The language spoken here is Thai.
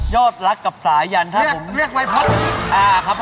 ยอดรักกับสายันครับผม